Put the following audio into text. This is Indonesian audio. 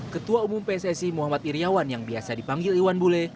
ketua umum pssi muhammad iryawan yang biasa dipanggil iwan bule